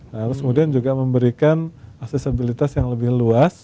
nah terus kemudian juga memberikan aksesibilitas yang lebih luas